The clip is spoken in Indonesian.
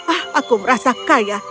ah aku merasa kaya